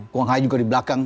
kuang hai juga di belakang